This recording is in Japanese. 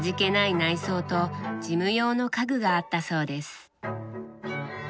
内装と事務用の家具があったそうです。